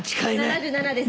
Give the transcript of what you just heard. ７７です。